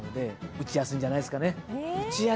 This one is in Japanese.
打ちやすいんじゃないか。